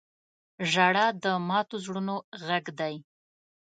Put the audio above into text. • ژړا د ماتو زړونو غږ دی.